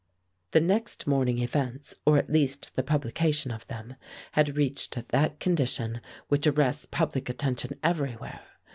The next morning events, or at least the publication of them, had reached that condition which arrests public attention everywhere.